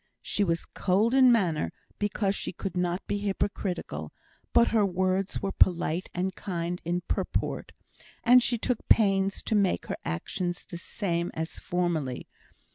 She was cold in manner, because she could not be hypocritical; but her words were polite and kind in purport; and she took pains to make her actions the same as formerly.